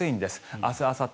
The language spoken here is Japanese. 明日あさって。